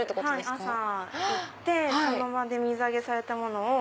朝行ってその場で水揚げされたものを。